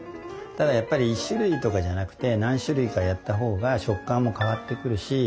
ただやっぱり１種類とかじゃなくて何種類かやった方が食感も変わってくるし